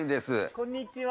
こんにちは。